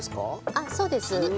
あっそうです。